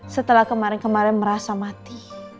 setelah kemarin kemarin merasa mati